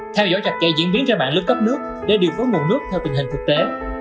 theo dõi trạch kệ diễn biến ra mạng lướt cấp nước để điều phối nguồn nước theo tình hình thực tế